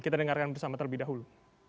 kita dengarkan bersama terlebih dahulu